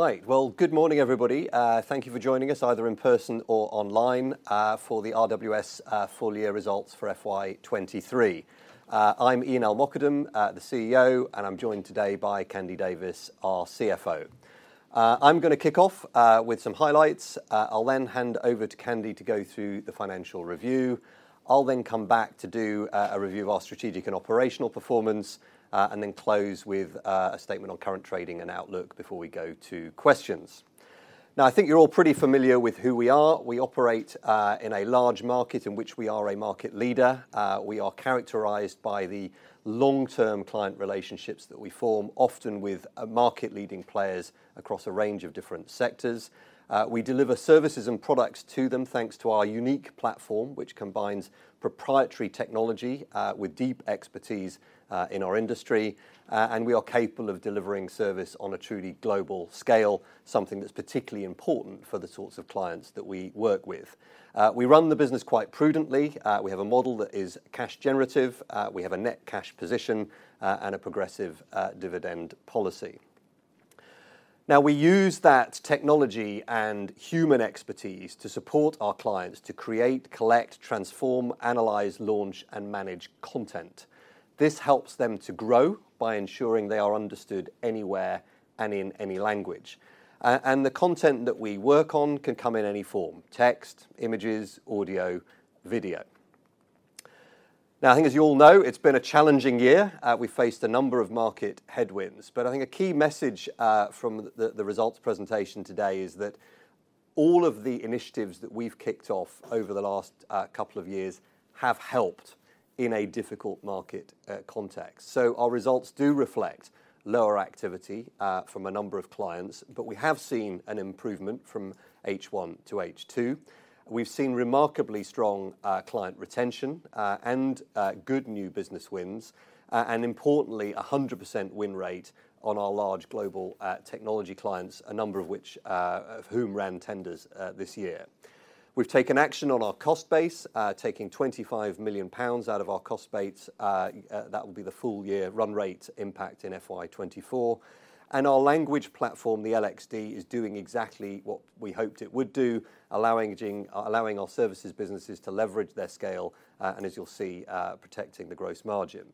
Right, well, good morning, everybody. Thank you for joining us either in person or online, for the RWS full year results for FY 2023. I'm Ian El-Mokadem, the CEO, and I'm joined today by Candy Davies, our CFO. I'm gonna kick off with some highlights. I'll then hand over to Candy to go through the financial review. I'll then come back to do a review of our strategic and operational performance, and then close with a statement on current trading and outlook before we go to questions. Now, I think you're all pretty familiar with who we are. We operate in a large market in which we are a market leader. We are characterized by the long-term client relationships that we form, often with market-leading players across a range of different sectors. We deliver services and products to them, thanks to our unique platform, which combines proprietary technology with deep expertise in our industry. We are capable of delivering service on a truly global scale, something that's particularly important for the sorts of clients that we work with. We run the business quite prudently. We have a model that is cash generative. We have a net cash position and a progressive dividend policy. Now, we use that technology and human expertise to support our clients to create, collect, transform, analyze, launch, and manage content. This helps them to grow by ensuring they are understood anywhere and in any language. The content that we work on can come in any form: text, images, audio, video. Now, I think, as you all know, it's been a challenging year. We've faced a number of market headwinds, but I think a key message from the results presentation today is that all of the initiatives that we've kicked off over the last couple of years have helped in a difficult market context. So our results do reflect lower activity from a number of clients, but we have seen an improvement from H1 to H2. We've seen remarkably strong client retention and good new business wins, and importantly, a 100% win rate on our large global technology clients, a number of which—of whom ran tenders this year. We've taken action on our cost base, taking 25 million pounds out of our cost base. That will be the full year run rate impact in FY 2024. And our language platform, the LXD, is doing exactly what we hoped it would do, allowing our services businesses to leverage their scale, and as you'll see, protecting the gross margin.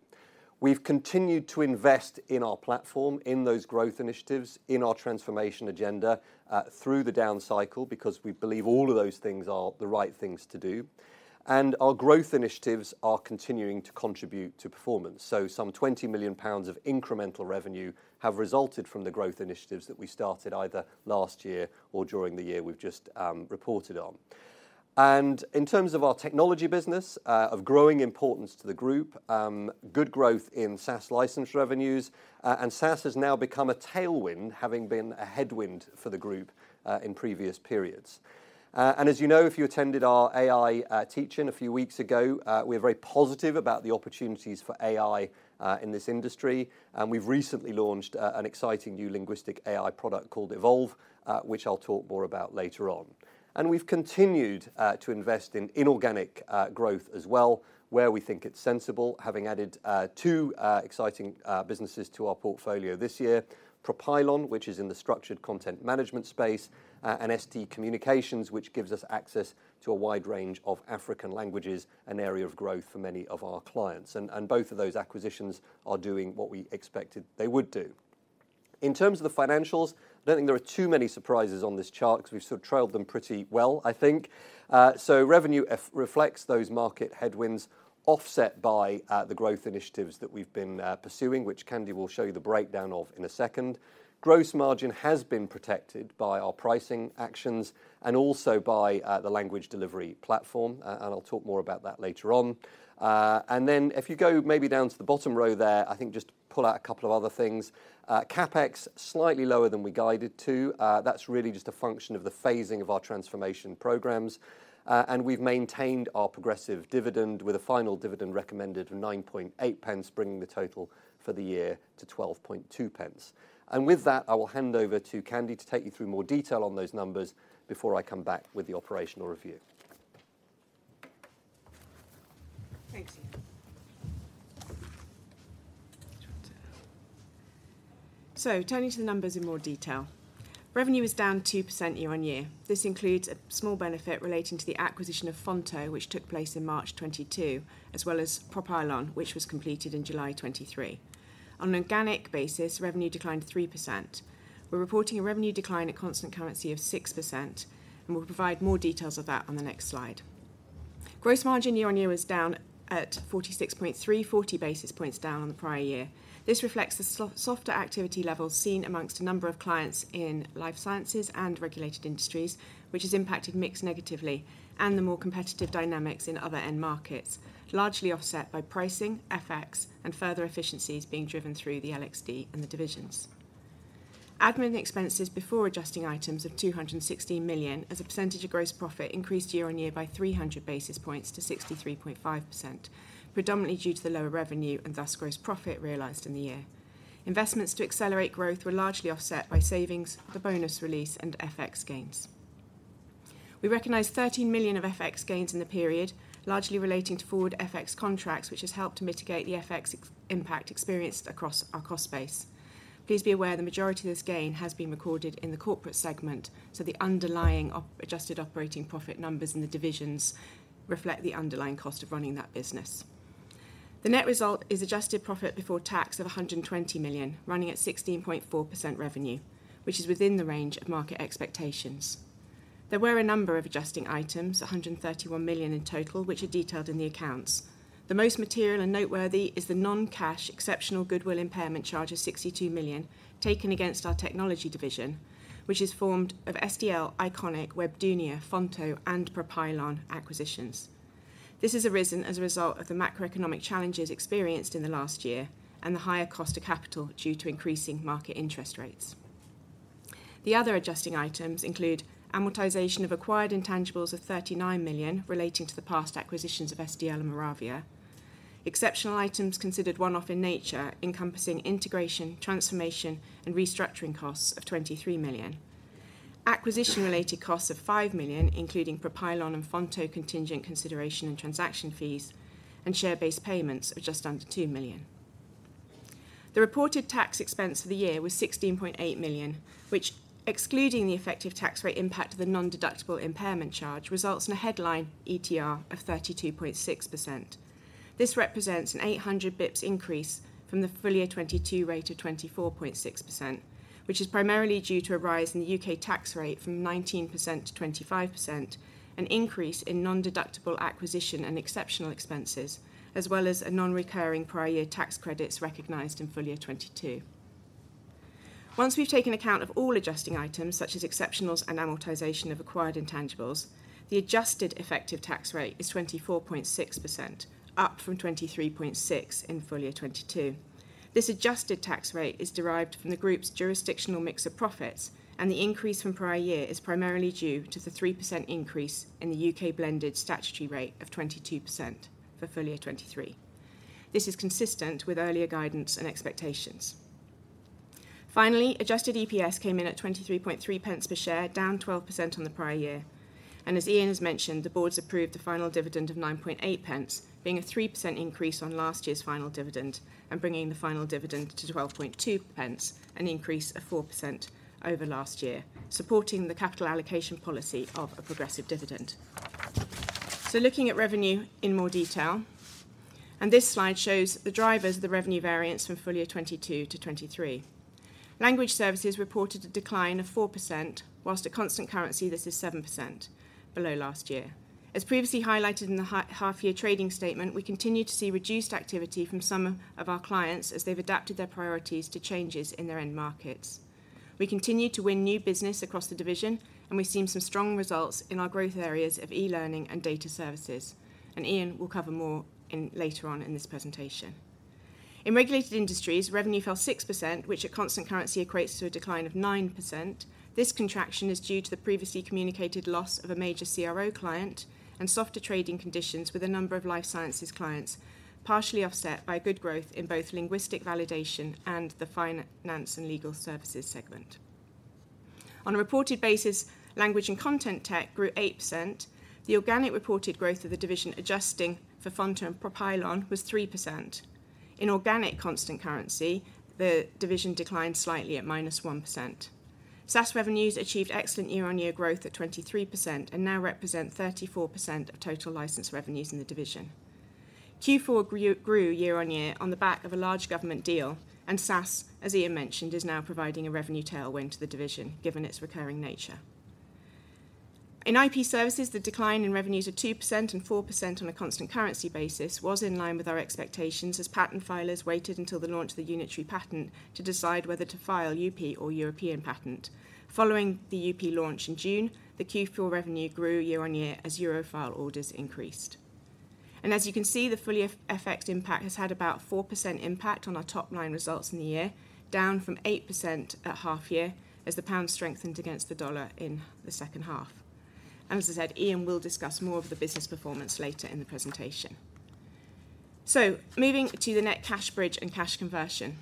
We've continued to invest in our platform, in those growth initiatives, in our transformation agenda, through the down cycle, because we believe all of those things are the right things to do. And our growth initiatives are continuing to contribute to performance. So some 20 million pounds of incremental revenue have resulted from the growth initiatives that we started either last year or during the year we've just reported on. And in terms of our technology business, of growing importance to the group, good growth in SaaS license revenues, and SaaS has now become a tailwind, having been a headwind for the group, in previous periods. And as you know, if you attended our AI teach-in a few weeks ago, we're very positive about the opportunities for AI in this industry, and we've recently launched an exciting new linguistic AI product called Evolve, which I'll talk more about later on. We've continued to invest in inorganic growth as well, where we think it's sensible, having added two exciting businesses to our portfolio this year: Propylon, which is in the structured content management space, and ST Communications, which gives us access to a wide range of African languages, an area of growth for many of our clients. Both of those acquisitions are doing what we expected they would do. In terms of the financials, I don't think there are too many surprises on this chart because we've sort of trailed them pretty well, I think. So revenue reflects those market headwinds, offset by the growth initiatives that we've been pursuing, which Candy will show you the breakdown of in a second. Gross margin has been protected by our pricing actions and also by the Language Delivery Platform, and I'll talk more about that later on. And then if you go maybe down to the bottom row there, I think just to pull out a couple of other things. CapEx, slightly lower than we guided to. That's really just a function of the phasing of our transformation programs. We've maintained our progressive dividend with a final dividend recommended of 0.098, bringing the total for the year to 0.122. And with that, I will hand over to Candy to take you through more detail on those numbers before I come back with the operational review. Thank you. So turning to the numbers in more detail. Revenue is down 2% year-over-year. This includes a small benefit relating to the acquisition of Fonto, which took place in March 2022, as well as Propylon, which was completed in July 2023. On an organic basis, revenue declined 3%. We're reporting a revenue decline at constant currency of 6%, and we'll provide more details of that on the next slide. Gross margin year-over-year was down at 46.3, 40 basis points down on the prior year. This reflects the softer activity levels seen amongst a number of clients in life sciences and Regulated Industries, which has impacted mix negatively and the more competitive dynamics in other end markets, largely offset by pricing, FX, and further efficiencies being driven through the LXD and the divisions. Admin expenses before adjusting items of 216 million as a percentage of gross profit increased year-on-year by 300 basis points to 63.5%, predominantly due to the lower revenue and thus gross profit realized in the year. Investments to accelerate growth were largely offset by savings, the bonus release, and FX gains. We recognized 13 million of FX gains in the period, largely relating to forward FX contracts, which has helped to mitigate the FX exchange impact experienced across our cost base. Please be aware, the majority of this gain has been recorded in the corporate segment, so the underlying adjusted operating profit numbers in the divisions reflect the underlying cost of running that business. The net result is adjusted profit before tax of 120 million, running at 16.4% revenue, which is within the range of market expectations. There were a number of adjusting items, 131 million in total, which are detailed in the accounts. The most material and noteworthy is the non-cash exceptional goodwill impairment charge of 62 million taken against our technology division, which is formed of SDL, Iconic, Webdunia, Fonto, and Propylon acquisitions. This has arisen as a result of the macroeconomic challenges experienced in the last year and the higher cost of capital due to increasing market interest rates. The other adjusting items include amortization of acquired intangibles of 39 million, relating to the past acquisitions of SDL and Moravia, exceptional items considered one-off in nature, encompassing integration, transformation, and restructuring costs of 23 million, acquisition-related costs of 5 million, including Propylon and Fonto contingent consideration and transaction fees, and share-based payments of just under 2 million. The reported tax expense for the year was 16.8 million, which excluding the effective tax rate impact of the non-deductible impairment charge, results in a headline ETR of 32.6%. This represents an 800 basis points increase from the full year 2022 rate of 24.6%, which is primarily due to a rise in the U.K. tax rate from 19%-25%, an increase in non-deductible acquisition and exceptional expenses, as well as a non-recurring prior year tax credits recognized in full year 2022. Once we've taken account of all adjusting items, such as exceptionals and amortization of acquired intangibles, the adjusted effective tax rate is 24.6%, up from 23.6% in full year 2022. This adjusted tax rate is derived from the group's jurisdictional mix of profits, and the increase from prior year is primarily due to the 3% increase in the U.K. blended statutory rate of 22% for full year 2023. This is consistent with earlier guidance and expectations. Finally, adjusted EPS came in at 0.233 per share, down 12% on the prior year. And as Ian has mentioned, the Board has approved the final dividend of 9.8 pence, being a 3% increase on last year's final dividend, and bringing the final dividend to 12.2 pence, an increase of 4% over last year, supporting the capital allocation policy of a progressive dividend. So looking at revenue in more detail, and this slide shows the drivers of the revenue variance from full year 2022 to 2023. Language Services reported a decline of 4%, while at constant currency, this is 7% below last year. As previously highlighted in the half-year trading statement, we continue to see reduced activity from some of our clients as they've adapted their priorities to changes in their end markets. We continue to win new business across the division, and we've seen some strong results in our growth areas of e-learning and data services, and Ian will cover more later on in this presentation. In Regulated Industries, revenue fell 6%, which at constant currency equates to a decline of 9%. This contraction is due to the previously communicated loss of a major CRO client and softer trading conditions with a number of life sciences clients, partially offset by good growth in both linguistic validation and the finance and legal services segment. On a reported basis, language and content tech grew 8%. The organic reported growth of the division, adjusting for Fonto and Propylon, was 3%. In organic constant currency, the division declined slightly at -1%. SaaS revenues achieved excellent year-on-year growth at 23% and now represent 34% of total licensed revenues in the division. Q4 grew year on year on the back of a large government deal, and SaaS, as Ian mentioned, is now providing a revenue tailwind to the division, given its recurring nature. In IP Services, the decline in revenues of 2% and 4% on a constant currency basis was in line with our expectations as patent filers waited until the launch of the Unitary Patent to decide whether to file UP or European patent. Following the UP launch in June, the Q4 revenue grew year on year as EuroFile orders increased. As you can see, the full effect impact has had about 4% impact on our top line results in the year, down from 8% at half year, as the pound strengthened against the US dollar in the second half. As I said, Ian will discuss more of the business performance later in the presentation. Moving to the net cash bridge and cash conversion.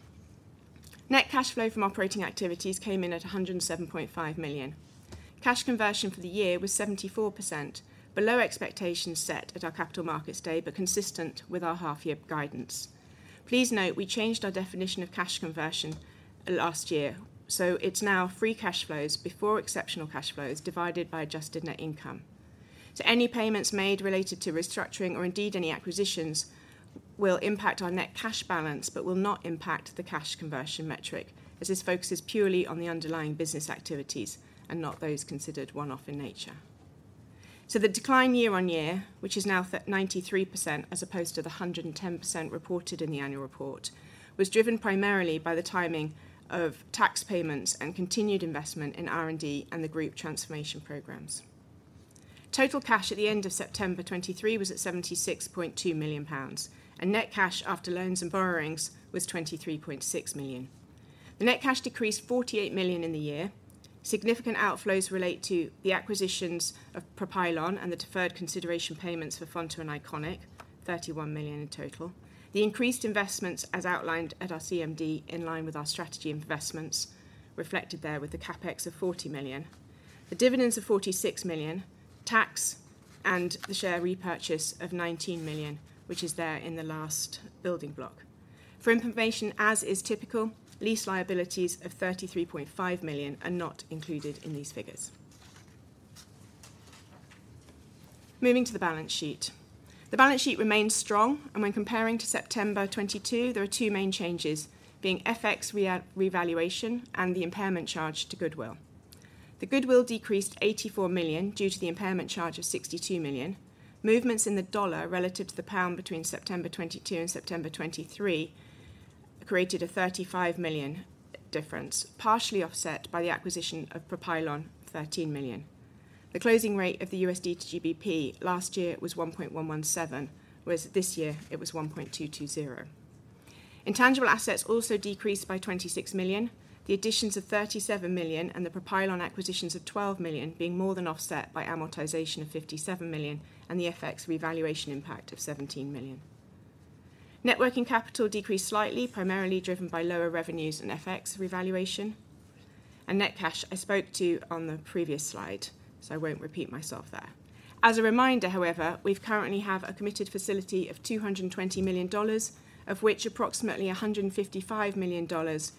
Net cash flow from operating activities came in at 107.5 million. Cash conversion for the year was 74%, below expectations set at our Capital Markets Day, but consistent with our half-year guidance. Please note, we changed our definition of cash conversion last year, so it's now free cash flows before exceptional cash flows, divided by adjusted net income. So any payments made related to restructuring or indeed any acquisitions will impact our net cash balance, but will not impact the cash conversion metric, as this focuses purely on the underlying business activities and not those considered one-off in nature. So the decline year-on-year, which is now 93%, as opposed to the 110% reported in the annual report, was driven primarily by the timing of tax payments and continued investment in R&D and the group transformation programs. Total cash at the end of September 2023 was 76.2 million pounds, and net cash after loans and borrowings was 23.6 million. The net cash decreased 48 million in the year. Significant outflows relate to the acquisitions of Propylon and the deferred consideration payments for Fonto and Iconic, 31 million in total. The increased investments, as outlined at our CMD, in line with our strategy investments, reflected there with the CapEx of 40 million. The dividends of 46 million, tax and the share repurchase of 19 million, which is there in the last building block. For information, as is typical, lease liabilities of 33.5 million are not included in these figures. Moving to the balance sheet. The balance sheet remains strong, and when comparing to September 2022, there are two main changes, being FX revaluation and the impairment charge to goodwill. The goodwill decreased 84 million due to the impairment charge of 62 million. Movements in the dollar relative to the pound between September 2022 and September 2023 created a 35 million difference, partially offset by the acquisition of Propylon, 13 million. The closing rate of the USD to GBP last year was 1.117, whereas this year it was 1.220. Intangible assets also decreased by 26 million. The additions of 37 million and the Propylon acquisitions of 12 million being more than offset by amortization of 57 million, and the FX revaluation impact of 17 million. Net working capital decreased slightly, primarily driven by lower revenues and FX revaluation. And net cash, I spoke to on the previous slide, so I won't repeat myself there. As a reminder, however, we've currently have a committed facility of $220 million, of which approximately $155 million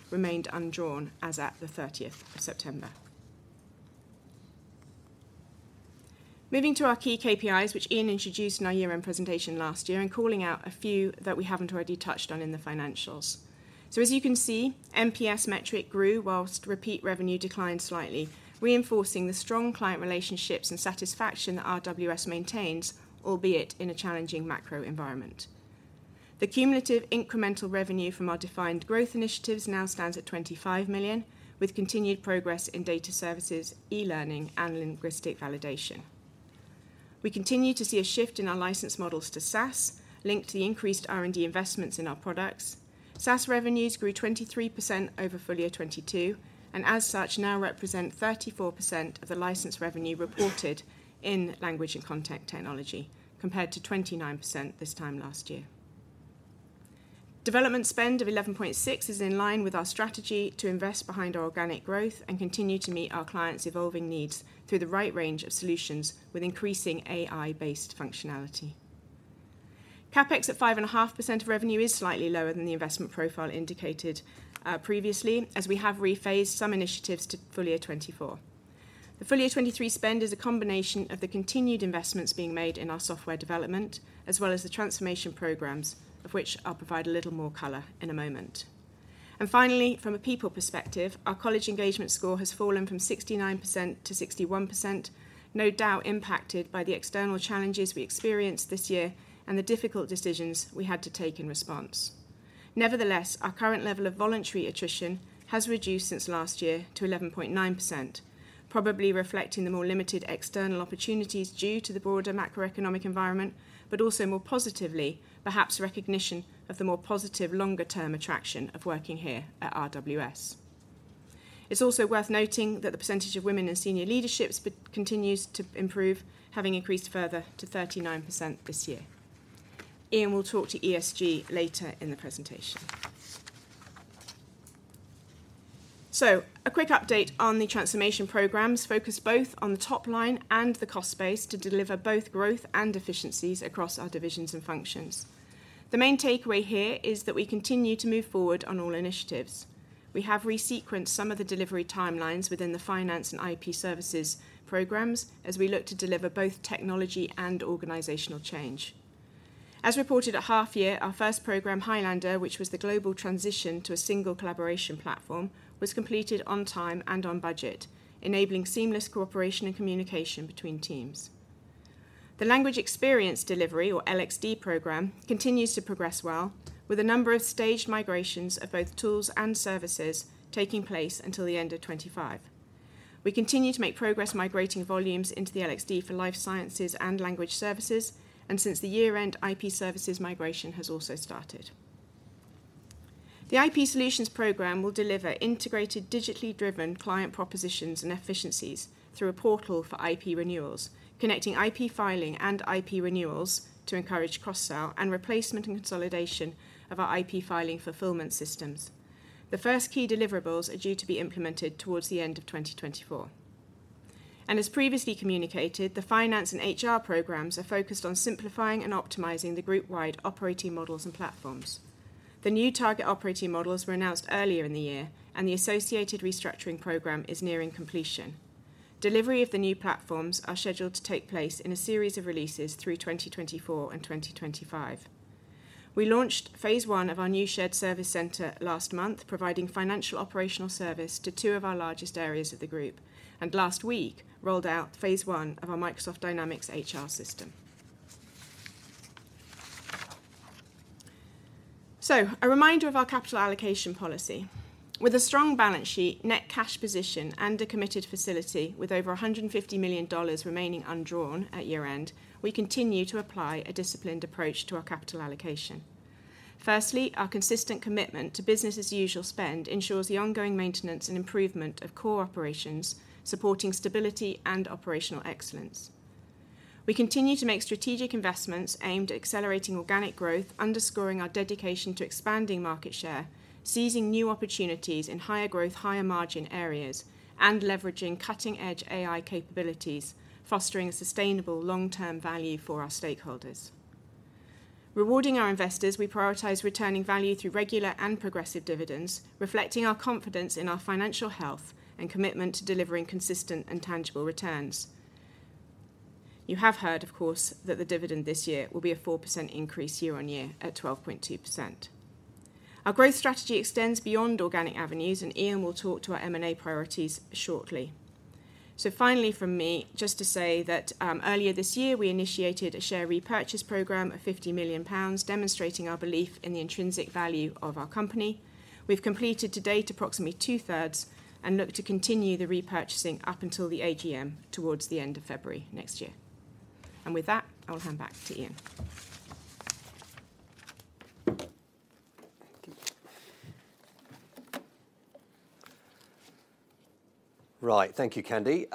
remained undrawn as at the 30th of September. Moving to our key KPIs, which Ian introduced in our year-end presentation last year, and calling out a few that we haven't already touched on in the financials. So as you can see, NPS metric grew while repeat revenue declined slightly, reinforcing the strong client relationships and satisfaction that RWS maintains, albeit in a challenging macro environment. The cumulative incremental revenue from our defined growth initiatives now stands at 25 million, with continued progress in data services, e-learning, and linguistic validation. We continue to see a shift in our license models to SaaS, linked to the increased R&D investments in our products. SaaS revenues grew 23% over full year 2022, and as such, now represent 34% of the license revenue reported in language and content technology, compared to 29% this time last year. Development spend of 11.6 is in line with our strategy to invest behind organic growth and continue to meet our clients' evolving needs through the right range of solutions with increasing AI-based functionality. CapEx at 5.5% of revenue is slightly lower than the investment profile indicated, previously, as we have rephased some initiatives to full year 2024. The full year 2023 spend is a combination of the continued investments being made in our software development, as well as the transformation programs, of which I'll provide a little more color in a moment. And finally, from a people perspective, our colleague engagement score has fallen from 69% to 61%, no doubt impacted by the external challenges we experienced this year and the difficult decisions we had to take in response. Nevertheless, our current level of voluntary attrition has reduced since last year to 11.9%, probably reflecting the more limited external opportunities due to the broader macroeconomic environment, but also more positively, perhaps recognition of the more positive longer-term attraction of working here at RWS. It's also worth noting that the percentage of women in senior leadership continues to improve, having increased further to 39% this year. Ian will talk to ESG later in the presentation. A quick update on the transformation programs, focused both on the top line and the cost base to deliver both growth and efficiencies across our divisions and functions. The main takeaway here is that we continue to move forward on all initiatives. We have resequenced some of the delivery timelines within the finance and IP Services programs, as we look to deliver both technology and organizational change. As reported at half year, our first program, Highlander, which was the global transition to a single collaboration platform, was completed on time and on budget, enabling seamless cooperation and communication between teams. The Language Experience Delivery, or LXD program, continues to progress well, with a number of staged migrations of both tools and services taking place until the end of 2025. We continue to make progress migrating volumes into the LXD for life sciences and language services, and since the year-end, IP Services migration has also started. The IP solutions program will deliver integrated, digitally driven client propositions and efficiencies through a portal for IP renewals, connecting IP filing and IP renewals to encourage cross-sell and replacement and consolidation of our IP filing fulfillment systems. The first key deliverables are due to be implemented towards the end of 2024. As previously communicated, the finance and HR programs are focused on simplifying and optimizing the group-wide operating models and platforms. The new target operating models were announced earlier in the year, and the associated restructuring program is nearing completion. Delivery of the new platforms are scheduled to take place in a series of releases through 2024 and 2025. We launched phase one of our new shared service center last month, providing financial operational service to two of our largest areas of the group, and last week rolled out phase I of our Microsoft Dynamics HR system. A reminder of our capital allocation policy. With a strong balance sheet, net cash position, and a committed facility, with over $150 million remaining undrawn at year-end, we continue to apply a disciplined approach to our capital allocation. Firstly, our consistent commitment to business-as-usual spend ensures the ongoing maintenance and improvement of core operations, supporting stability and operational excellence. We continue to make strategic investments aimed at accelerating organic growth, underscoring our dedication to expanding market share, seizing new opportunities in higher growth, higher margin areas, and leveraging cutting-edge AI capabilities, fostering sustainable long-term value for our stakeholders. Rewarding our investors, we prioritize returning value through regular and progressive dividends, reflecting our confidence in our financial health and commitment to delivering consistent and tangible returns. You have heard, of course, that the dividend this year will be a 4% increase year-on-year at 12.2%. Our growth strategy extends beyond organic avenues, and Ian will talk to our M&A priorities shortly. Finally, from me, just to say that, earlier this year, we initiated a share repurchase program of 50 million pounds, demonstrating our belief in the intrinsic value of our company. We've completed to date approximately two-thirds and look to continue the repurchasing up until the AGM towards the end of February next year. With that, I'll hand back to Ian. Right. Thank you, Candy.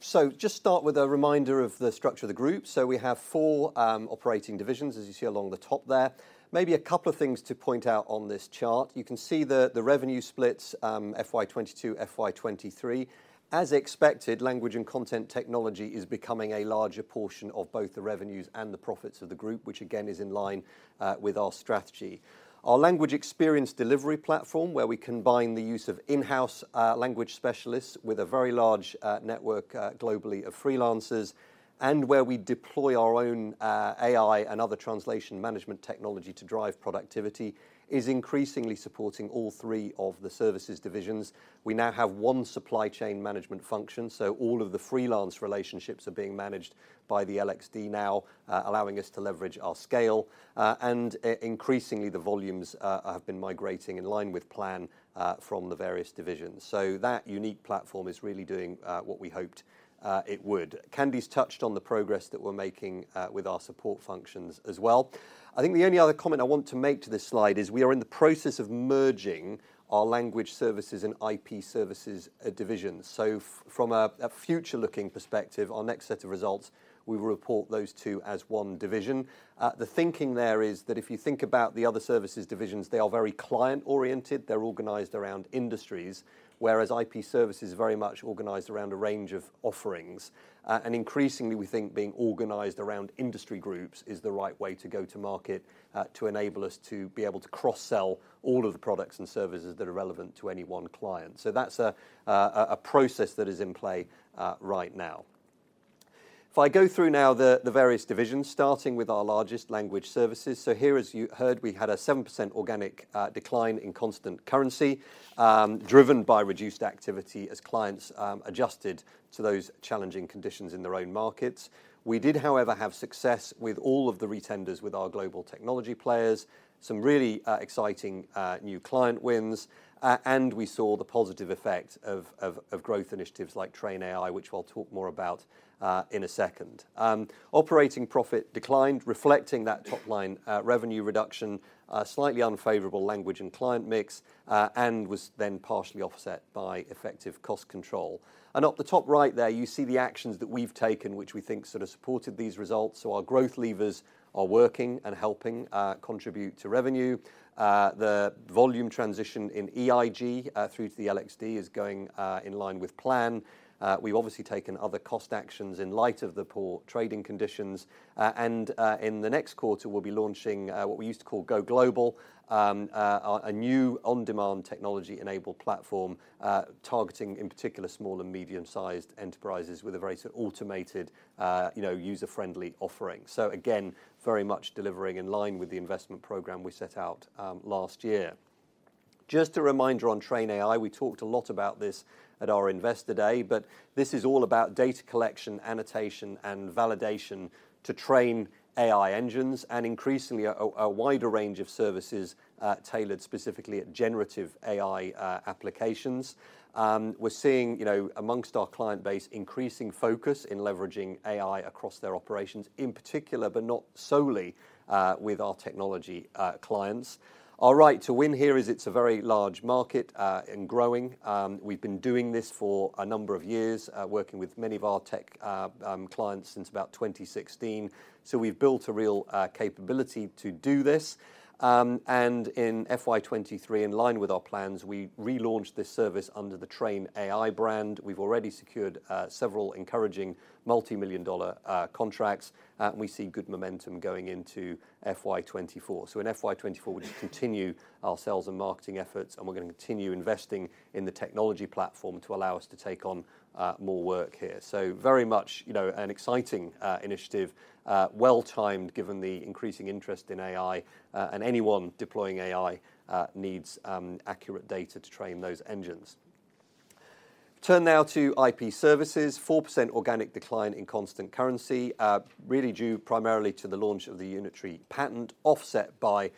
So just start with a reminder of the structure of the group. So we have four operating divisions, as you see along the top there. Maybe a couple of things to point out on this chart. You can see the revenue splits, FY 2022, FY 2023. As expected, language and content technology is becoming a larger portion of both the revenues and the profits of the group, which again, is in line with our strategy. Our language experience delivery platform, where we combine the use of in-house language specialists with a very large network globally of freelancers, and where we deploy our own AI and other translation management technology to drive productivity, is increasingly supporting all three of the services divisions. We now have one supply chain management function, so all of the freelance relationships are being managed by the LXD now, allowing us to leverage our scale. And increasingly, the volumes have been migrating in line with plan from the various divisions. So that unique platform is really doing what we hoped it would. Candy's touched on the progress that we're making with our support functions as well. I think the only other comment I want to make to this slide is we are in the process of merging our Language Services and IP Services divisions. So from a future-looking perspective, our next set of results, we will report those two as one division. The thinking there is that if you think about the other services divisions, they are very client-oriented, they're organized around industries, whereas IP Services are very much organized around a range of offerings. And increasingly, we think being organized around industry groups is the right way to go to market, to enable us to be able to cross-sell all of the products and services that are relevant to any one client. So that's a process that is in play right now. If I go through now the various divisions, starting with our largest language services. So here, as you heard, we had a 7% organic decline in constant currency, driven by reduced activity as clients adjusted to those challenging conditions in their own markets. We did, however, have success with all of the retenders with our global technology players, some really, exciting, new client wins, and we saw the positive effect of growth initiatives like TrainAI, which I'll talk more about, in a second. Operating profit declined, reflecting that top-line, revenue reduction, a slightly unfavorable language and client mix, and was then partially offset by effective cost control. And up the top right there, you see the actions that we've taken, which we think sort of supported these results. So our growth levers are working and helping, contribute to revenue. The volume transition in EIG, through to the LXD is going, in line with plan. We've obviously taken other cost actions in light of the poor trading conditions, and in the next quarter, we'll be launching what we used to call GoGlobal, a new on-demand technology-enabled platform, targeting, in particular, small and medium-sized enterprises with a very sort of automated, you know, user-friendly offering. So again, very much delivering in line with the investment program we set out last year. Just a reminder on TrainAI, we talked a lot about this at our Investor Day, but this is all about data collection, annotation, and validation to train AI engines, and increasingly, a wider range of services, tailored specifically at generative AI applications. We're seeing, you know, amongst our client base, increasing focus in leveraging AI across their operations, in particular, but not solely, with our technology clients. Our right to win here is it's a very large market and growing. We've been doing this for a number of years, working with many of our tech clients since about 2016. So we've built a real capability to do this. And in FY 2023, in line with our plans, we relaunched this service under the TrainAI brand. We've already secured several encouraging multimillion-dollar contracts, and we see good momentum going into FY 2024. So in FY 2024, we'll just continue our sales and marketing efforts, and we're going to continue investing in the technology platform to allow us to take on more work here. So very much, you know, an exciting initiative, well-timed, given the increasing interest in AI, and anyone deploying AI needs accurate data to train those engines. Turn now to IP Services. 4% organic decline in constant currency, really due primarily to the launch of the Unitary Patent, offset by,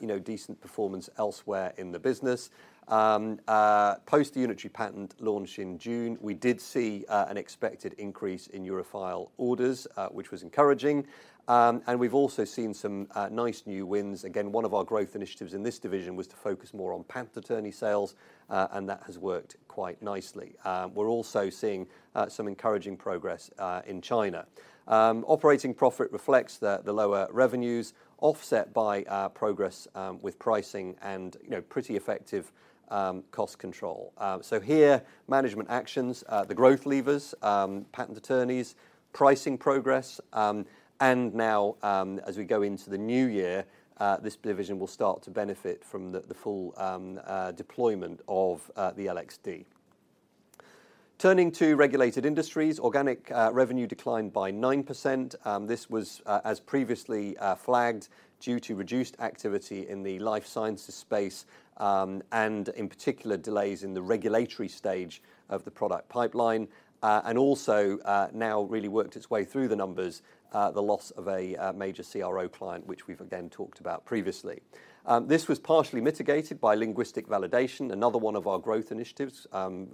you know, decent performance elsewhere in the business. Post the Unitary Patent launch in June, we did see an expected increase in EuroFile orders, which was encouraging. And we've also seen some nice new wins. Again, one of our growth initiatives in this division was to focus more on patent attorney sales, and that has worked quite nicely. We're also seeing some encouraging progress in China. Operating profit reflects the lower revenues, offset by progress with pricing and, you know, pretty effective cost control. So here, management actions, the growth levers, patent attorneys, pricing progress, and now, as we go into the new year, this division will start to benefit from the full deployment of the LXD. Turning to Regulated Industries, organic revenue declined by 9%. This was, as previously flagged, due to reduced activity in the life sciences space, and in particular, delays in the regulatory stage of the product pipeline. And also, now really worked its way through the numbers, the loss of a major CRO client, which we've again talked about previously. This was partially mitigated by Linguistic Validation, another one of our growth initiatives,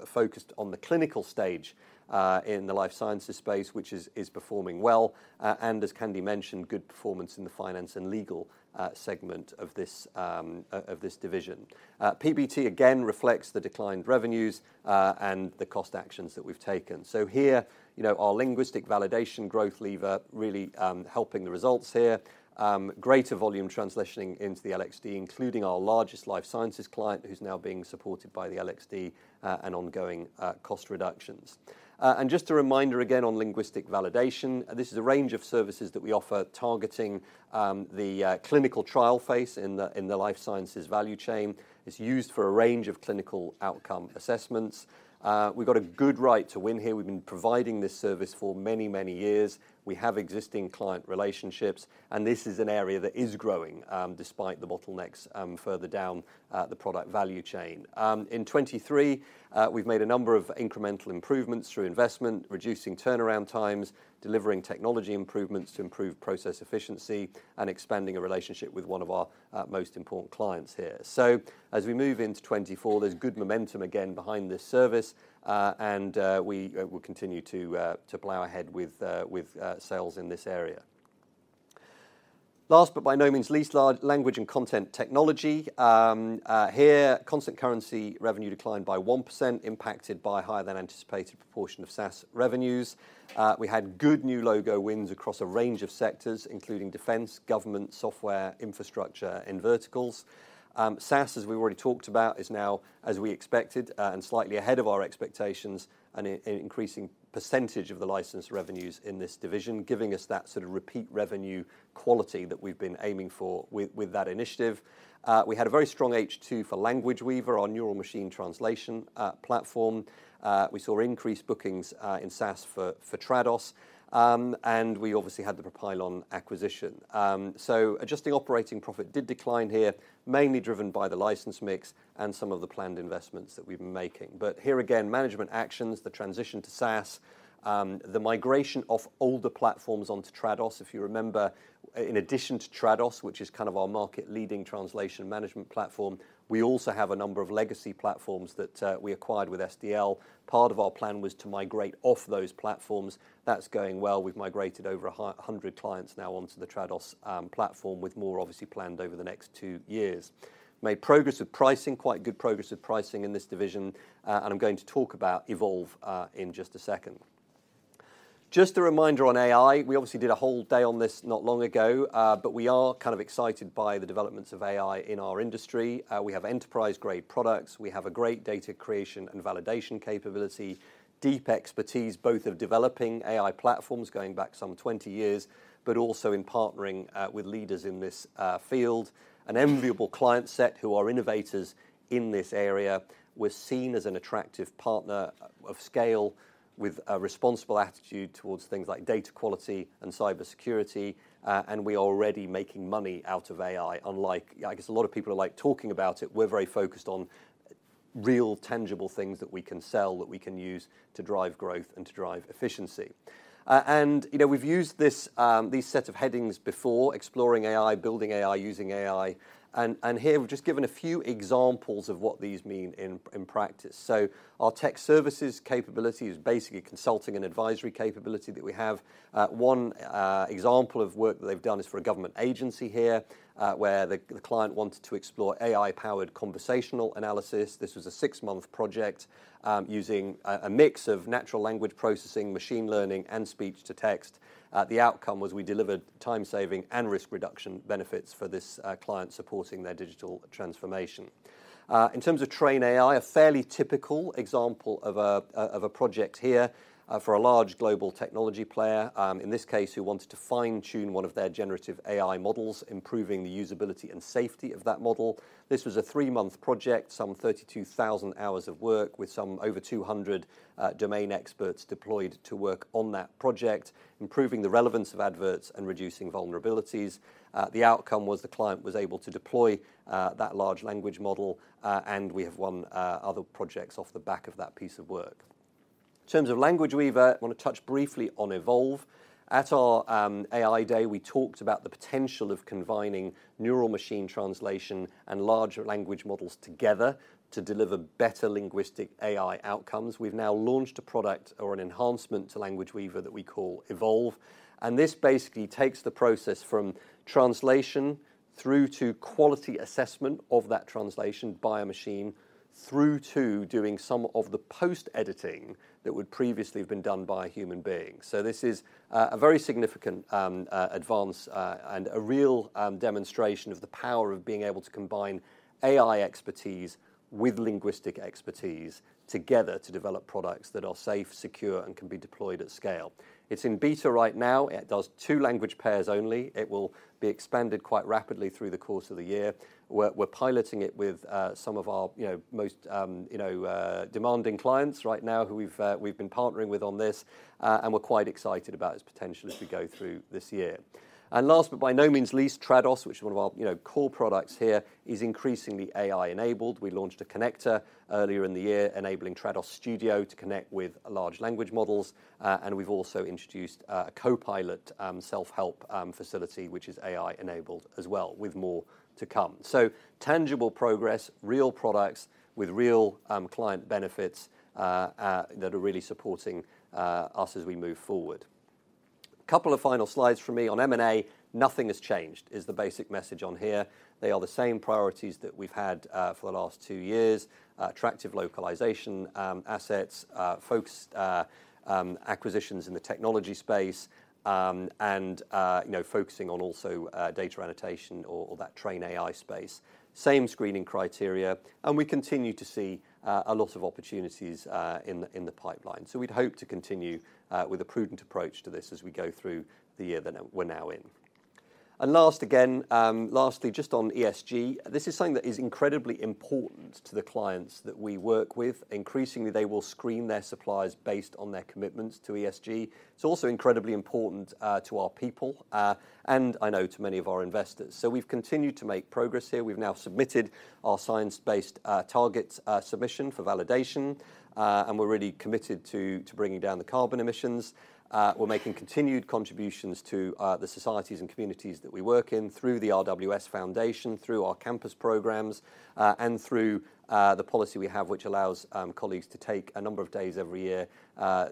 focused on the clinical stage, in the life sciences space, which is performing well. As Candy mentioned, good performance in the finance and legal segment of this division. PBT again reflects the declined revenues and the cost actions that we've taken. So here, you know, our Linguistic Validation growth lever really helping the results here. Greater volume translation into the LXD, including our largest life sciences client, who's now being supported by the LXD and ongoing cost reductions. Just a reminder again on Linguistic Validation, this is a range of services that we offer targeting the clinical trial phase in the life sciences value chain. It's used for a range of clinical outcome assessments. We've got a good right to win here. We've been providing this service for many, many years. We have existing client relationships, and this is an area that is growing, despite the bottlenecks further down the product value chain. In 2023, we've made a number of incremental improvements through investment, reducing turnaround times, delivering technology improvements to improve process efficiency, and expanding a relationship with one of our most important clients here. So as we move into 2024, there's good momentum again behind this service, and we will continue to plow ahead with sales in this area. Last, but by no means least, large language and content technology. Here, constant currency revenue declined by 1%, impacted by higher than anticipated proportion of SaaS revenues. We had good new logo wins across a range of sectors, including defense, government, software, infrastructure, and verticals. SaaS, as we've already talked about, is now, as we expected, and slightly ahead of our expectations, an increasing percentage of the license revenues in this division, giving us that sort of repeat revenue quality that we've been aiming for with that initiative. We had a very strong H2 for Language Weaver, our neural machine translation platform. We saw increased bookings in SaaS for Trados. And we obviously had the Propylon acquisition. So adjusting operating profit did decline here, mainly driven by the license mix and some of the planned investments that we've been making. But here again, management actions, the transition to SaaS, the migration of older platforms onto Trados. If you remember, in addition to Trados, which is kind of our market-leading translation management platform, we also have a number of legacy platforms that we acquired with SDL. Part of our plan was to migrate off those platforms. That's going well. We've migrated over 100 clients now onto the Trados platform, with more obviously planned over the next two years. Made progress with pricing, quite good progress with pricing in this division, and I'm going to talk about Evolve in just a second. Just a reminder on AI, we obviously did a whole day on this not long ago, but we are kind of excited by the developments of AI in our industry. We have enterprise-grade products. We have a great data creation and validation capability, deep expertise, both of developing AI platforms going back some 20 years, but also in partnering with leaders in this field. An enviable client set who are innovators in this area. We're seen as an attractive partner of scale with a responsible attitude towards things like data quality and cybersecurity, and we are already making money out of AI. Unlike, I guess, a lot of people are, like, talking about it, we're very focused on real, tangible things that we can sell, that we can use to drive growth and to drive efficiency. And, you know, we've used these set of headings before, exploring AI, building AI, using AI, and here we've just given a few examples of what these mean in practice. So our tech services capability is basically a consulting and advisory capability that we have. One example of work that they've done is for a government agency here, where the client wanted to explore AI-powered conversational analysis. This was a six-month project, using a mix of natural language processing, machine learning, and speech-to-text. The outcome was we delivered time-saving and risk reduction benefits for this client supporting their digital transformation. In terms of TrainAI, a fairly typical example of a project here, for a large global technology player, in this case, who wanted to fine-tune one of their generative AI models, improving the usability and safety of that model. This was a three-month project, some 32,000 hours of work, with some over 200 domain experts deployed to work on that project, improving the relevance of adverts and reducing vulnerabilities. The outcome was the client was able to deploy that large language model, and we have won other projects off the back of that piece of work. In terms of Language Weaver, I wanna touch briefly on Evolve. At our AI Day, we talked about the potential of combining neural machine translation and larger language models together to deliver better linguistic AI outcomes. We've now launched a product or an enhancement to Language Weaver that we call Evolve, and this basically takes the process from translation through to quality assessment of that translation by a machine through to doing some of the post-editing that would previously have been done by human beings. So this is a very significant advance, and a real demonstration of the power of being able to combine AI expertise with linguistic expertise together to develop products that are safe, secure, and can be deployed at scale. It's in beta right now. It does two language pairs only. It will be expanded quite rapidly through the course of the year. We're piloting it with some of our, you know, most demanding clients right now, who we've been partnering with on this, and we're quite excited about its potential as we go through this year. And last, but by no means least, Trados, which is one of our, you know, core products here, is increasingly AI-enabled. We launched a connector earlier in the year, enabling Trados Studio to connect with large language models. And we've also introduced a co-pilot self-help facility, which is AI-enabled as well, with more to come. So tangible progress, real products with real client benefits that are really supporting us as we move forward. Couple of final slides from me on M&A. Nothing has changed, is the basic message on here. They are the same priorities that we've had for the last two years: attractive localization assets, focused acquisitions in the technology space, and you know, focusing on also data annotation or that TrainAI space. Same screening criteria, and we continue to see a lot of opportunities in the pipeline. So we'd hope to continue with a prudent approach to this as we go through the year that we're now in. Last, again, lastly, just on ESG, this is something that is incredibly important to the clients that we work with. Increasingly, they will screen their suppliers based on their commitments to ESG. It's also incredibly important to our people, and I know to many of our investors. We've continued to make progress here. We've now submitted our science-based target submission for validation. And we're really committed to bringing down the carbon emissions. We're making continued contributions to the societies and communities that we work in through the RWS Foundation, through our campus programs, and through the policy we have, which allows colleagues to take a number of days every year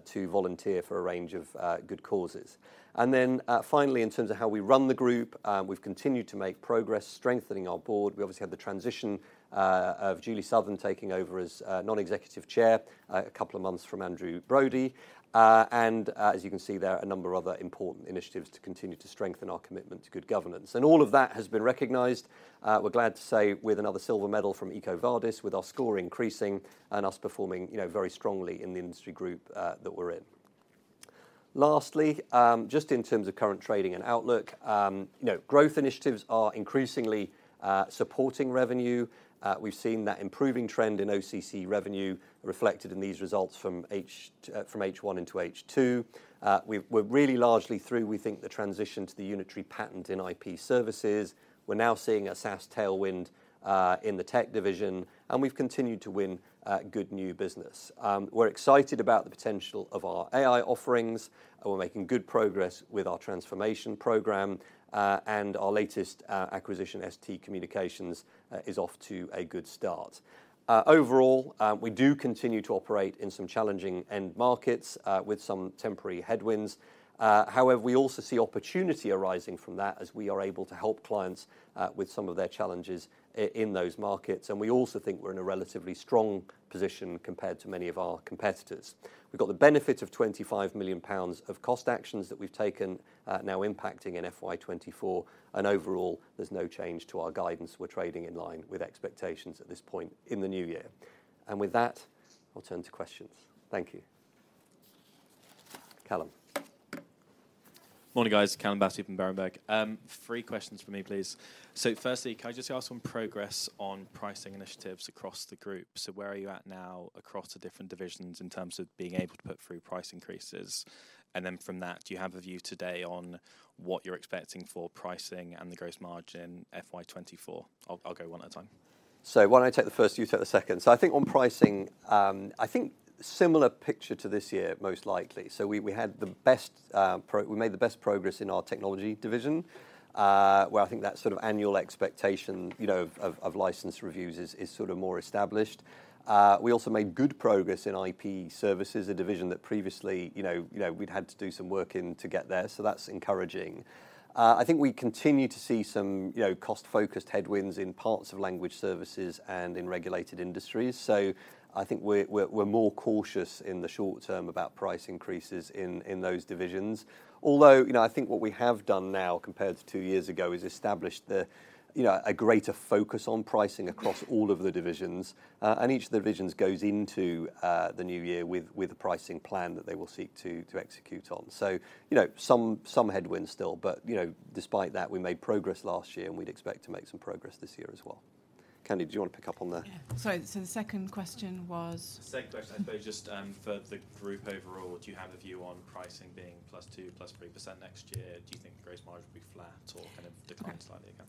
to volunteer for a range of good causes. And then, finally, in terms of how we run the group, we've continued to make progress strengthening our board. We obviously had the transition of Julie Southern taking over as non-executive Chair a couple of months from Andrew Brode. And as you can see, there are a number of other important initiatives to continue to strengthen our commitment to good governance, and all of that has been recognized, we're glad to say, with another silver medal from EcoVadis, with our score increasing and us performing, you know, very strongly in the industry group that we're in. Lastly, just in terms of current trading and outlook, you know, growth initiatives are increasingly supporting revenue. We've seen that improving trend in OCC revenue reflected in these results from H1 into H2. We're really largely through, we think, the transition to the Unitary Patent in IP Services. We're now seeing a SaaS tailwind in the tech division, and we've continued to win good new business. We're excited about the potential of our AI offerings, and we're making good progress with our transformation program and our latest acquisition, ST Communications, is off to a good start. Overall, we do continue to operate in some challenging end markets with some temporary headwinds. However, we also see opportunity arising from that as we are able to help clients with some of their challenges in those markets, and we also think we're in a relatively strong position compared to many of our competitors. We've got the benefit of 25 million pounds of cost actions that we've taken, now impacting in FY 2024, and overall, there's no change to our guidance. We're trading in line with expectations at this point in the new year. With that, I'll turn to questions. Thank you. Calum? Morning, guys. Calum Battersby from Berenberg. Three questions for me, please. So firstly, can I just ask on progress on pricing initiatives across the group? So where are you at now across the different divisions in terms of being able to put through price increases? And then from that, do you have a view today on what you're expecting for pricing and the gross margin FY 2024? I'll go one at a time. So why don't I take the first, you take the second? So I think on pricing, I think similar picture to this year, most likely. So we had the best, we made the best progress in our Technology division, where I think that sort of annual expectation, you know, of license reviews is sort of more established. We also made good progress in IP Services, a division that previously, you know, you know, we'd had to do some work in to get there, so that's encouraging. I think we continue to see some, you know, cost-focused headwinds in parts of Language Services and in Regulated Industries, so I think we're more cautious in the short term about price increases in those divisions. Although, you know, I think what we have done now, compared to two years ago, is established the, you know, a greater focus on pricing across all of the divisions, and each of the divisions goes into the new year with a pricing plan that they will seek to execute on. So, you know, some headwinds still, but, you know, despite that, we made progress last year, and we'd expect to make some progress this year as well. Candy, do you want to pick up on the— Yeah. Sorry, so the second question was? The second question, I suppose, just, for the group overall, do you have a view on pricing being plus 2, plus 3% next year? Do you think the gross margin will be flat or kind of decline slightly again?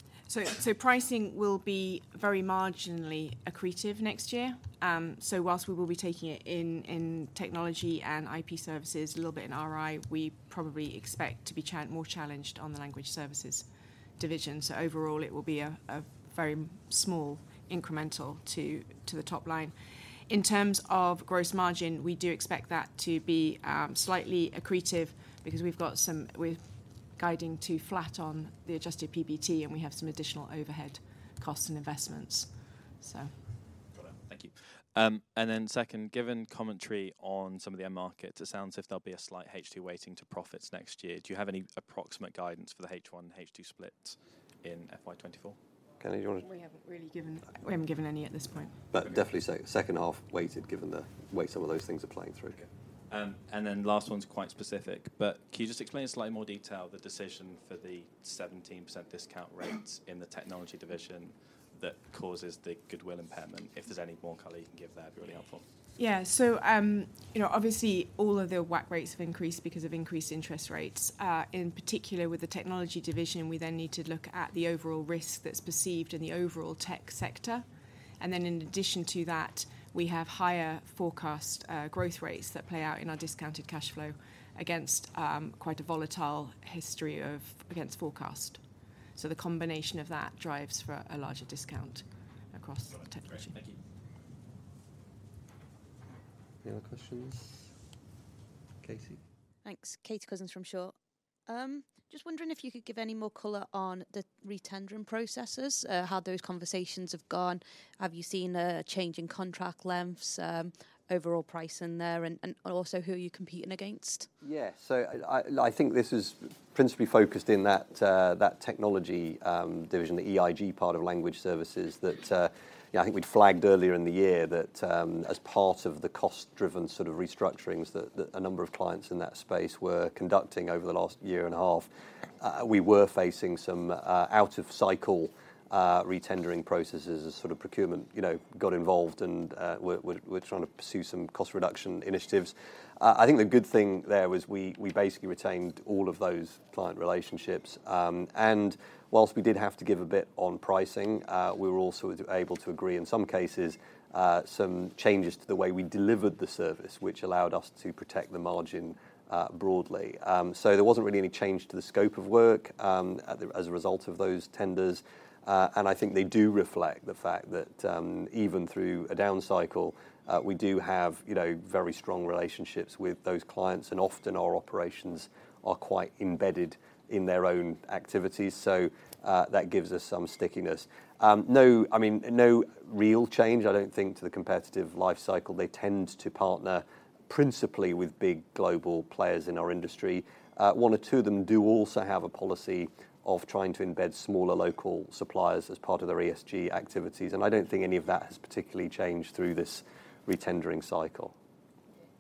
So pricing will be very marginally accretive next year. So whilst we will be taking it in technology and IP Services, a little bit in RI, we probably expect to be more challenged on the language services division. So overall, it will be a very small incremental to the top line. In terms of gross margin, we do expect that to be slightly accretive because we're guiding to flat on the adjusted PBT, and we have some additional overhead costs and investments, so. Got it. Thank you. And then second, given commentary on some of the end markets, it sounds as if there'll be a slight H2 weighting to profits next year. Do you have any approximate guidance for the H1, H2 split in FY24? Candy, do you wanna- We haven't given any at this point. Definitely second half weighted, given the way some of those things are playing through. And then last one's quite specific, but can you just explain in slightly more detail the decision for the 17% discount rates in the technology division that causes the goodwill impairment? If there's any more color you can give there, it'd be really helpful. Yeah. So, you know, obviously, all of the WACC rates have increased because of increased interest rates. In particular, with the technology division, we then need to look at the overall risk that's perceived in the overall tech sector. And then in addition to that, we have higher forecast growth rates that play out in our discounted cash flow against quite a volatile history against forecast. So the combination of that drives for a larger discount across technology. Got it. Great. Thank you. Any other questions? Katie? Thanks. Katie Cousins from shore capital. Just wondering if you could give any more color on the re-tendering processes, how those conversations have gone. Have you seen a change in contract lengths, overall pricing there, and also, who are you competing against? Yeah. So I think this is principally focused in that Technology division, the EIG part of language services, that you know, I think we'd flagged earlier in the year that, as part of the cost-driven sort of restructurings that a number of clients in that space were conducting over the last year and a half, we were facing some out of cycle re-tendering processes as sort of procurement you know got involved, and were trying to pursue some cost reduction initiatives. I think the good thing there was we basically retained all of those client relationships. And while we did have to give a bit on pricing, we were also able to agree, in some cases, some changes to the way we delivered the service, which allowed us to protect the margin, broadly. So there wasn't really any change to the scope of work, as a result of those tenders. And I think they do reflect the fact that, even through a down cycle, we do have, you know, very strong relationships with those clients, and often our operations are quite embedded in their own activities. So, that gives us some stickiness. I mean, no real change, I don't think, to the competitive life cycle. They tend to partner principally with big global players in our industry. One or two of them do also have a policy of trying to embed smaller local suppliers as part of their ESG activities, and I don't think any of that has particularly changed through this re-tendering cycle.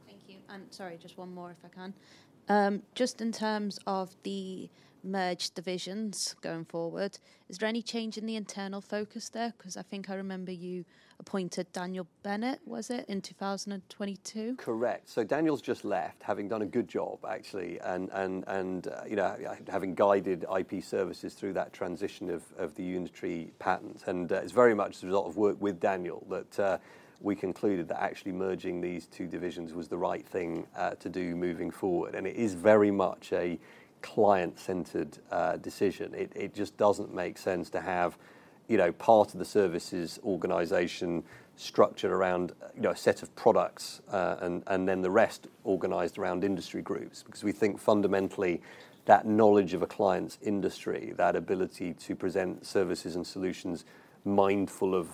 Thank you. Sorry, just one more, if I can. Just in terms of the merged divisions going forward, is there any change in the internal focus there? 'Cause I think I remember you appointed Daniel Bennett, was it in 2022? Correct. So Daniel's just left, having done a good job, actually, and you know, having guided IP Services through that transition of the Unitary Patent. And it's very much the result of work with Daniel that we concluded that actually merging these two divisions was the right thing to do moving forward. And it is very much a client-centered decision. It just doesn't make sense to have, you know, part of the services organization structured around, you know, a set of products, and then the rest organized around industry groups. Because we think fundamentally that knowledge of a client's industry, that ability to present services and solutions, mindful of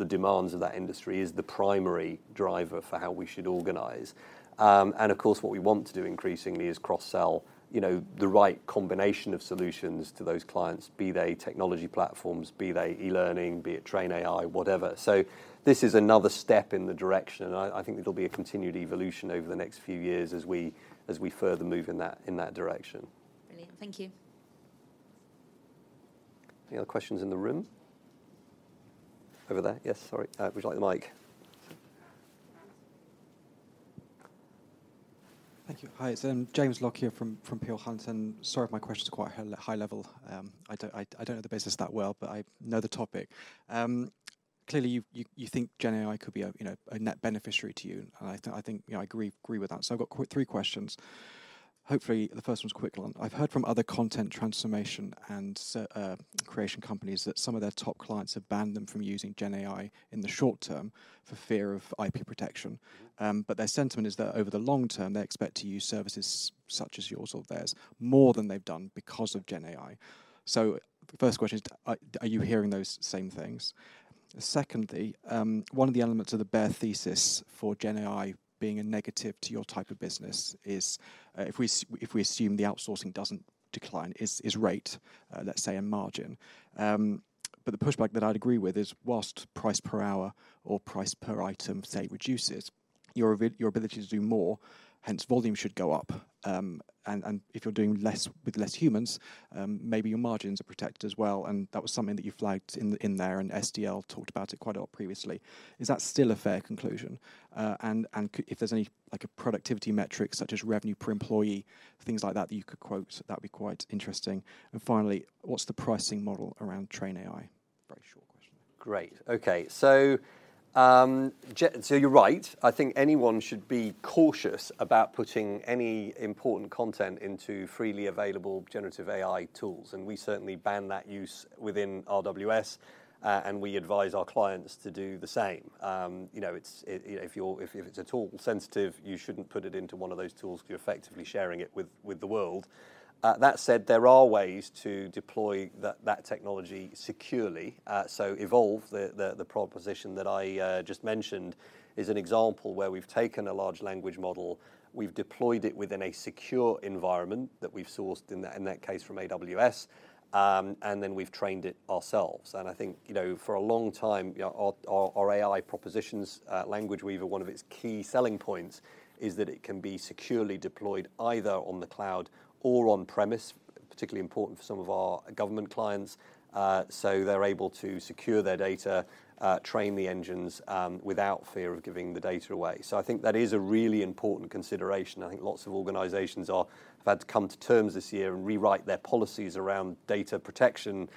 the demands of that industry, is the primary driver for how we should organize. Of course, what we want to do increasingly is cross-sell, you know, the right combination of solutions to those clients, be they technology platforms, be they e-learning, be it TrainAI, whatever. This is another step in the direction, and I think it'll be a continued evolution over the next few years as we further move in that direction. Brilliant. Thank you. Any other questions in the room? Over there. Yes, sorry. Would you like the mic? Thank you. Hi, it's James Lockyer here from Peel Hunt, and sorry if my question is quite high level. I don't know the business that well, but I know the topic. Clearly, you think GenAI could be a, you know, a net beneficiary to you, and I think, you know, I agree with that. So I've got three questions. Hopefully, the first one's a quick one. I've heard from other content transformation and so creation companies that some of their top clients have banned them from using GenAI in the short term for fear of IP protection. But their sentiment is that over the long term, they expect to use services such as yours or theirs, more than they've done because of GenAI. So the first question is, are you hearing those same things? Secondly, one of the elements of the bear thesis for GenAI being a negative to your type of business is, if we assume the outsourcing doesn't decline, is rate, let's say, a margin. But the pushback that I'd agree with is, whilst price per hour or price per item, say, reduces, your ability to do more, hence volume should go up. And if you're doing less with less humans, maybe your margins are protected as well, and that was something that you flagged in there, and SDL talked about it quite a lot previously. Is that still a fair conclusion? And if there's any, like, a productivity metric such as revenue per employee, things like that, that you could quote, that'd be quite interesting. And finally, what's the pricing model around TrainAI? Very short question. Great. Okay, so you're right. I think anyone should be cautious about putting any important content into freely available generative AI tools, and we certainly ban that use within RWS, and we advise our clients to do the same. You know, it's you know, if it's at all sensitive, you shouldn't put it into one of those tools because you're effectively sharing it with the world. That said, there are ways to deploy that technology securely. So Evolve, the proposition that I just mentioned, is an example where we've taken a large language model, we've deployed it within a secure environment that we've sourced, in that case, from AWS, and then we've trained it ourselves. I think, you know, for a long time, you know, our AI propositions, Language Weaver, one of its key selling points is that it can be securely deployed either on the cloud or on-premise, particularly important for some of our government clients. So they're able to secure their data, train the engines, without fear of giving the data away. So I think that is a really important consideration, and I think lots of organizations have had to come to terms this year and rewrite their policies around data protection,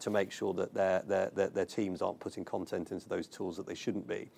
to make sure that their teams aren't putting content into those tools that they shouldn't be.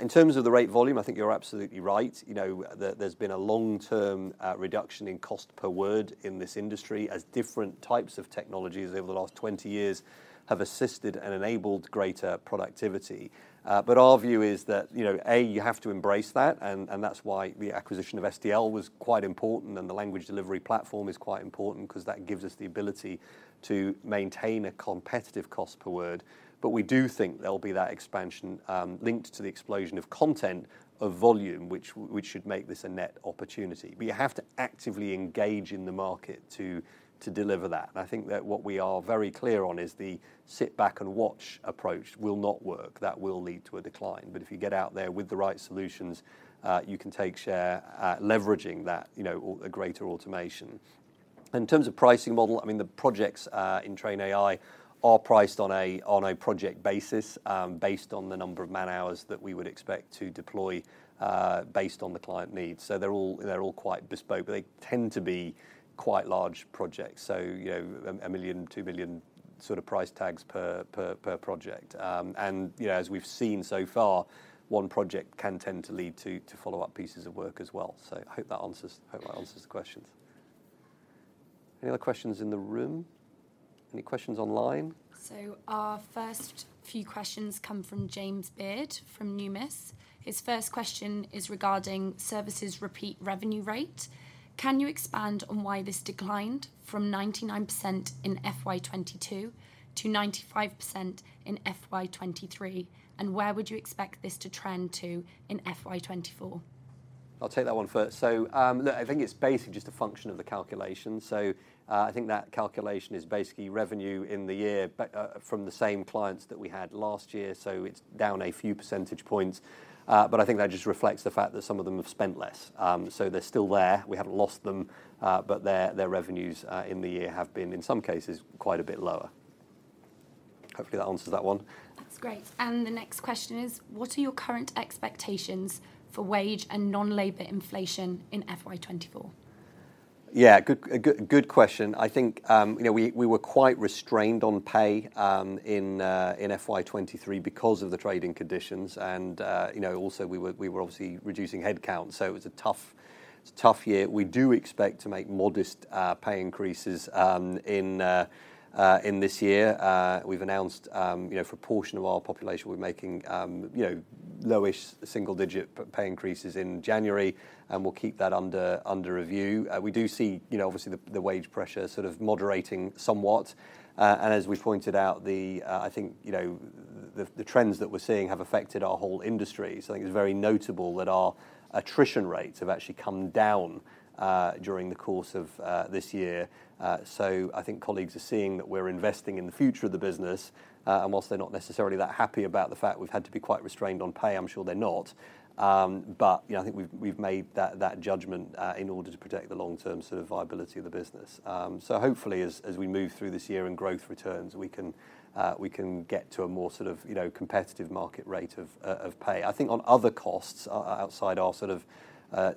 In terms of the rate volume, I think you're absolutely right. You know, there's been a long-term reduction in cost per word in this industry as different types of technologies over the last 20 years have assisted and enabled greater productivity. But our view is that, you know, A, you have to embrace that, and that's why the acquisition of SDL was quite important, and the Language Delivery Platform is quite important because that gives us the ability to maintain a competitive cost per word. But we do think there'll be that expansion linked to the explosion of content volume, which should make this a net opportunity. But you have to actively engage in the market to deliver that, and I think that what we are very clear on is the sit back and watch approach will not work. That will lead to a decline. But if you get out there with the right solutions, you can take share, leveraging that, you know, a greater automation. In terms of pricing model, I mean, the projects in TrainAI are priced on a project basis, based on the number of man-hours that we would expect to deploy, based on the client needs. So they're all quite bespoke, but they tend to be quite large projects, so, you know, 1 million, 2 million sort of price tags per project. And, you know, as we've seen so far, one project can tend to lead to follow-up pieces of work as well. So I hope that answers, hope that answers the questions. Any other questions in the room? Any questions online? So our first few questions come from James Beard from Numis. His first question is regarding services repeat revenue rate. Can you expand on why this declined from 99% in FY 2022 to 95% in FY 2023, and where would you expect this to trend to in FY 2024? I'll take that one first. So, look, I think it's basically just a function of the calculation. So, I think that calculation is basically revenue in the year from the same clients that we had last year, so it's down a few percentage points. But I think that just reflects the fact that some of them have spent less. So they're still there. We haven't lost them, but their, their revenues in the year have been, in some cases, quite a bit lower. Hopefully, that answers that one. That's great. The next question is: What are your current expectations for wage and non-labor inflation in FY 2024? Yeah, good question. I think, you know, we were quite restrained on pay in FY 2023 because of the trading conditions, and, you know, also we were obviously reducing headcount, so it was a tough, it was a tough year. We do expect to make modest pay increases in this year. We've announced, you know, for a portion of our population, we're making, you know, low-ish single-digit pay increases in January, and we'll keep that under review. We do see, you know, obviously, the wage pressure sort of moderating somewhat. And as we've pointed out, I think, you know, the trends that we're seeing have affected our whole industry. So I think it's very notable that our attrition rates have actually come down during the course of this year. So I think colleagues are seeing that we're investing in the future of the business, and whilst they're not necessarily that happy about the fact we've had to be quite restrained on pay, I'm sure they're not, but, you know, I think we've made that judgment in order to protect the long-term sort of viability of the business. So hopefully, as we move through this year and growth returns, we can get to a more sort of, you know, competitive market rate of pay. I think on other costs, outside our sort of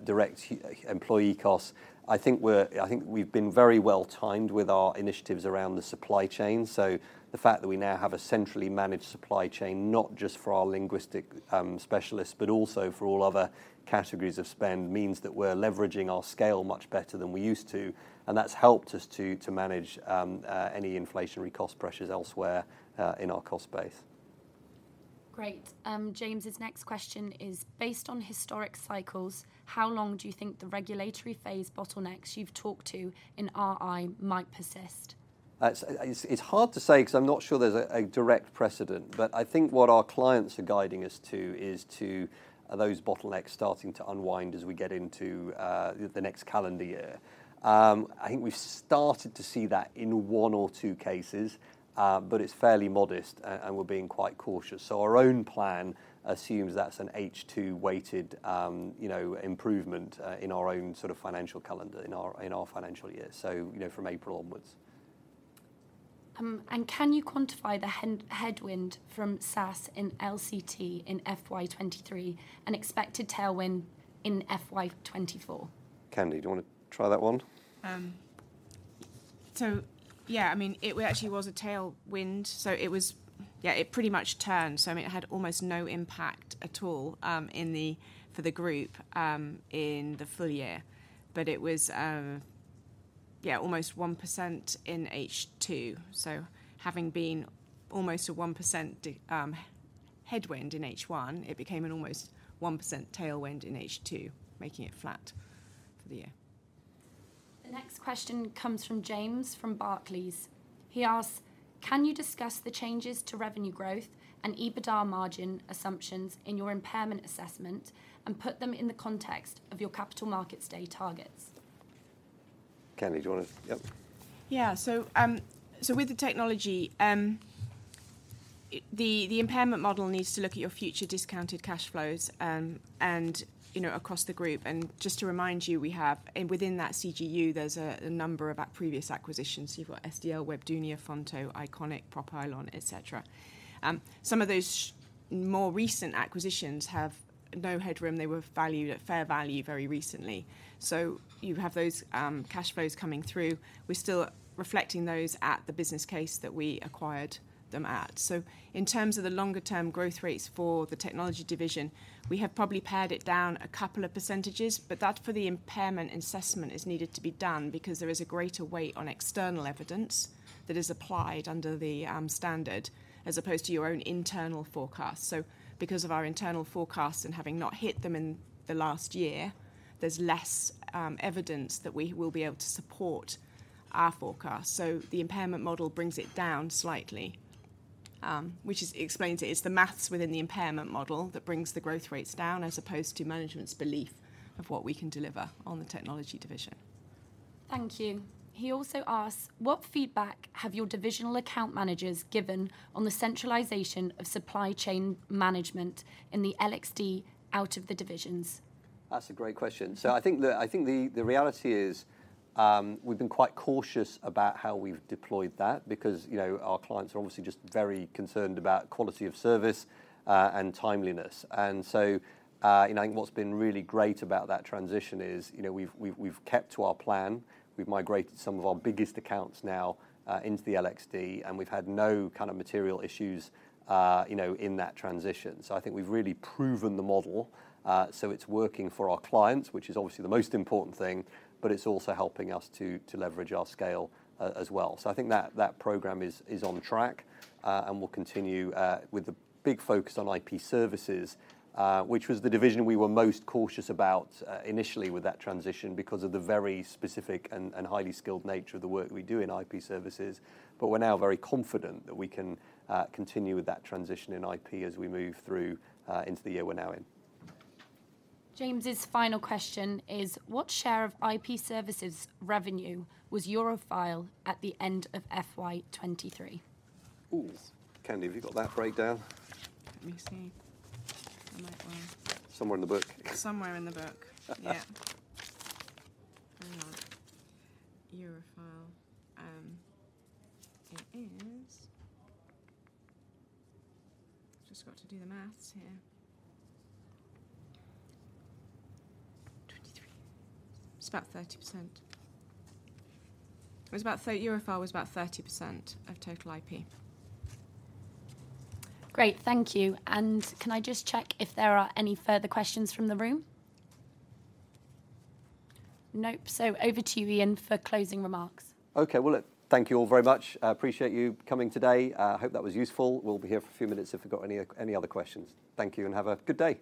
direct employee costs, I think we're. I think we've been very well timed with our initiatives around the supply chain. So the fact that we now have a centrally managed supply chain, not just for our linguistic specialists, but also for all other categories of spend, means that we're leveraging our scale much better than we used to, and that's helped us to manage any inflationary cost pressures elsewhere in our cost base. Great. James' next question is: Based on historic cycles, how long do you think the regulatory phase bottlenecks you've talked to in RI might persist? It's hard to say because I'm not sure there's a direct precedent, but I think what our clients are guiding us to is those bottlenecks starting to unwind as we get into the next calendar year. I think we've started to see that in one or two cases, but it's fairly modest, and we're being quite cautious. So our own plan assumes that's an H2-weighted, you know, improvement in our own sort of financial calendar, in our financial year, so you know, from April onwards. Can you quantify the headwind from SaaS and LCT in FY 2023 and expected tailwind in FY 2024? Candy, do you want to try that one? So yeah, I mean, it actually was a tailwind, so it was—yeah, it pretty much turned. So, I mean, it had almost no impact at all in the for the group in the full year. But it was, yeah, almost 1% in H2. So having been almost a 1% de headwind in H1, it became an almost 1% tailwind in H2, making it flat for the year. The next question comes from James, from Barclays. He asks: "Can you discuss the changes to revenue growth and EBITDA margin assumptions in your impairment assessment, and put them in the context of your capital markets day targets? Candy, do you wanna...? Yep. Yeah. So, so with the technology, the, the impairment model needs to look at your future discounted cash flows, and, you know, across the group. And just to remind you, we have, and within that CGU, there's a, a number of a previous acquisitions. So you've got SDL, Webdunia, Fonto, Iconic, Propylon, et cetera. Some of those more recent acquisitions have no headroom. They were valued at fair value very recently. So you have those, cash flows coming through. We're still reflecting those at the business case that we acquired them at. So in terms of the longer term growth rates for the technology division, we have probably pared it down a couple of percentages, but that, for the impairment assessment, is needed to be done because there is a greater weight on external evidence that is applied under the standard, as opposed to your own internal forecast. So because of our internal forecasts and having not hit them in the last year, there's less evidence that we will be able to support our forecast. So the impairment model brings it down slightly, which explains it. It's the math within the impairment model that brings the growth rates down, as opposed to management's belief of what we can deliver on the technology division. Thank you. He also asks: "What feedback have your divisional account managers given on the centralization of supply chain management in the LXD out of the divisions? That's a great question. So I think the reality is, we've been quite cautious about how we've deployed that because, you know, our clients are obviously just very concerned about quality of service, and timeliness. And so, you know, I think what's been really great about that transition is, you know, we've kept to our plan. We've migrated some of our biggest accounts now into the LXD, and we've had no kind of material issues, you know, in that transition. So I think we've really proven the model. So it's working for our clients, which is obviously the most important thing, but it's also helping us to leverage our scale as well. So I think that program is on track and will continue with the big focus on IP Services, which was the division we were most cautious about initially with that transition, because of the very specific and highly skilled nature of the work we do in IP Services. But we're now very confident that we can continue with that transition in IP as we move through into the year we're now in. James's final question is: "What share of IP Services revenue was EuroFile at the end of FY 2023? Ooh. Candy, have you got that breakdown? Let me see. I might well. Somewhere in the book. Somewhere in the book. Yeah. Hang on. EuroFile. It is. Just got to do the math here. 23. It's about 30%. EuroFile was about 30% of total IP. Great. Thank you. Can I just check if there are any further questions from the room? Nope. Over to you, Ian, for closing remarks. Okay, well, look, thank you all very much. I appreciate you coming today. I hope that was useful. We'll be here for a few minutes if you've got any any other questions. Thank you, and have a good day.